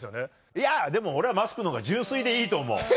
いやでも俺は桝君のほうが純粋でいいと思う。